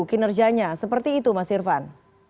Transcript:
kinerjanya seperti itu mas irvan